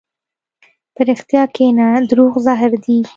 په رښتیا کښېنه، دروغ زهر دي.